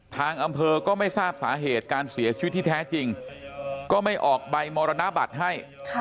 ทางอำเภอก็ไม่ทราบสาเหตุการเสียชีวิตที่แท้จริงก็ไม่ออกใบมรณบัตรให้